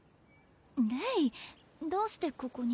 レイどうしてここに？